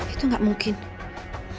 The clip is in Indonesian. itu gak mungkin